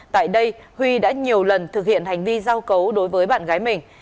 tại đây huy đã nhiều lần thực hiện hành vi giao cấu đối với bạn gái mình